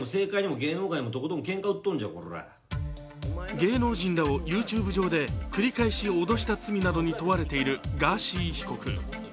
芸能人らをＹｏｕＴｕｂｅ上で繰り返し脅した罪などに問われているガーシー被告。